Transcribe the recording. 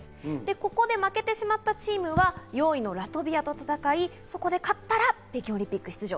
ここで負けてしまったチームは４位のラトビアと戦い、そこで勝ったら北京オリンピック出場。